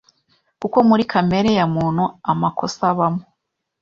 kuko muri kamere ya muntu amakosa abamo